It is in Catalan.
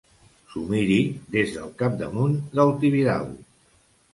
S'ho miri des del capdamunt del Tibidabo.